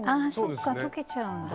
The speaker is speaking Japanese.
そっか溶けちゃうんだ。